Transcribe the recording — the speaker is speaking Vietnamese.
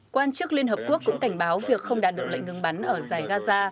quan chức liên hợp quốc cũng cảnh báo việc không đạt được lệnh ngừng bắn ở giải gaza